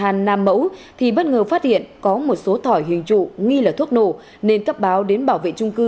an nam mẫu thì bất ngờ phát hiện có một số thỏi hình trụ nghi là thuốc nổ nên cấp báo đến bảo vệ trung cư